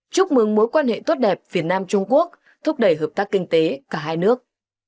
chúc mừng mối quan hệ tốt đẹp việt nam trung quốc thúc đẩy hợp tác kinh tế cả hai nước